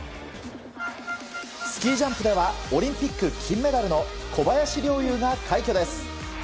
スキージャンプではオリンピック金メダルの小林陵侑が快挙です。